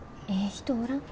人おらん？